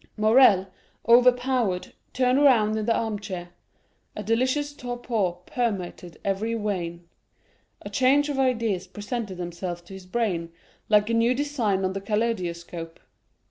Morrel, overpowered, turned around in the armchair; a delicious torpor permeated every vein. A change of ideas presented themselves to his brain, like a new design on the kaleidoscope.